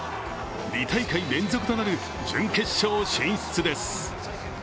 ２大会連続となる準決勝進出です。